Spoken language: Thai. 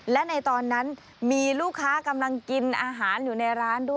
และในตอนนั้นมีลูกค้ากำลังกินอาหารอยู่ในร้านด้วย